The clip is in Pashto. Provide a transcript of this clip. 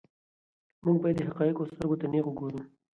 موږ باید د حقایقو سترګو ته نیغ وګورو.